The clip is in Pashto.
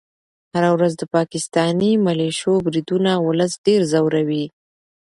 هره ورځ د پاکستاني ملیشو بریدونه ولس ډېر ځوروي.